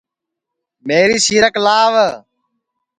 میری سیرک لاوَ